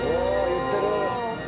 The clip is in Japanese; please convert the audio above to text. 言ってる。